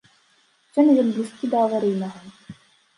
Сёння ён блізкі да аварыйнага.